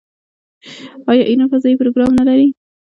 آیا ایران فضايي پروګرام نلري؟